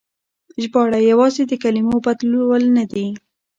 ژباړه يوازې د کلمو بدلول نه دي.